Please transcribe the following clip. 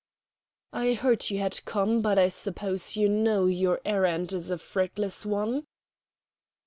"I heard you had come, but I suppose you know your errand is a fruitless one."